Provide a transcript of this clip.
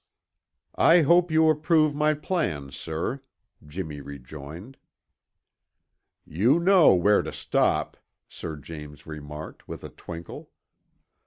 "I hope you approve my plan, sir," Jimmy rejoined. "You know where to stop," Sir James remarked with a twinkle.